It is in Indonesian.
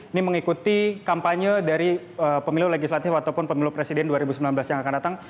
ini mengikuti kampanye dari pemilu legislatif ataupun pemilu presiden dua ribu sembilan belas yang akan datang